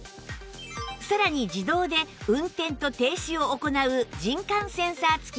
さらに自動で運転と停止を行う人感センサー付き